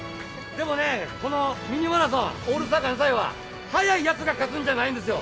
でもねこの「ミニマラソン」「オールスター感謝祭」は早いやつが勝つんじゃないんですよ